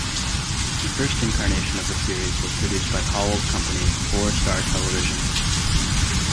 The first incarnation of the series was produced by Powell's company, Four Star Television.